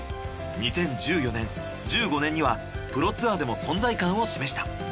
２０１４年２０１５年にはプロツアーでも存在感を示した。